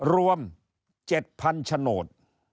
รวม๗๐๐๐ฉโนต